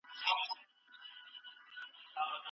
د مغولو رشوتونه ډېر سول